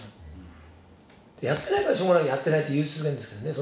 やってないからしょうがなく「やってない」って言い続けるんですけどね。